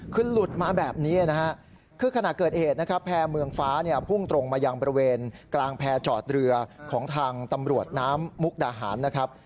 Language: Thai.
คือหลุดมาแบบนี้นะฮะคือขณะเกิดเหตุนะครับแพร่เมืองฟ้าเนี่ยพุ่งตรงมายังบริเวณกลางแพร่จอดเรือของทางตำรวจน้ำมุกดาหารนะครับ